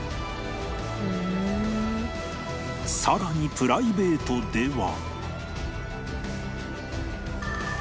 さらにプライベートでは